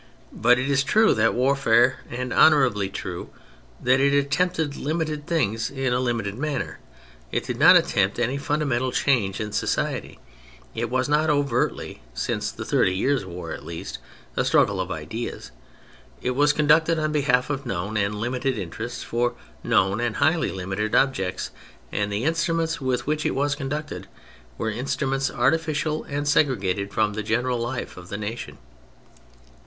But it is true of that warfare, and honourably true, that it attempted limited things in a limited manner ; it did not attempt any fundamental change in society ; it was not overtly — since the Thirty Years' War at least — a struggle of ideas ; it was conducted on behalf of known and limited interests for known and highly limited objects, and the instruments with which it was conducted were instruments artificial and segregated from the general life of nations.